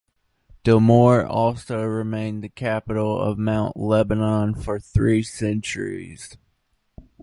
Damour also remained the capital of Mount Lebanon for three Centuries.